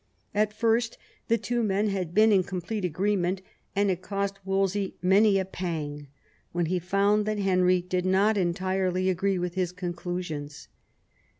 At first the two men had been in complete agreement, and it cost Wolsey many a pang when he found that Henry did not entirely agree with his conclusions.